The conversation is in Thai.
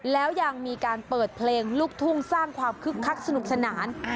แล้วยังมีการเปิดเพลงลูกทุ่งสร้างความคึกคักสนุกสนาน